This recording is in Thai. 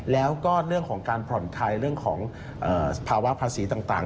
แล้วก็เรื่องของการผ่อนคลายเรื่องของสภาวะภาษีต่าง